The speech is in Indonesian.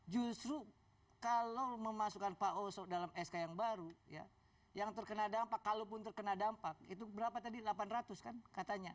justru kalau memasukkan pak oso dalam sk yang baru ya yang terkena dampak kalaupun terkena dampak itu berapa tadi delapan ratus kan katanya